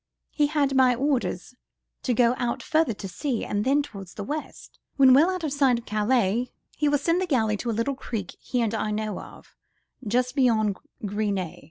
He had my orders to go out further to sea, and then towards the west. When well out of sight of Calais, he will send the galley to a little creek he and I know of, just beyond Gris Nez.